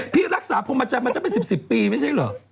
พี่รักษาพรมอาจารย์มันจะเป็น๑๐ปีไม่ใช่เหรอ